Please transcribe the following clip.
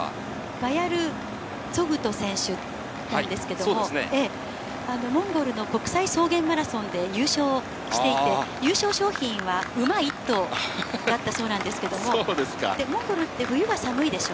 バヤルツォグト選手なんですけども、モンゴルの国際草原マラソンで優勝していて、優勝賞品は馬１頭だったそうなんですけども、モンゴルって冬が寒いでしょ。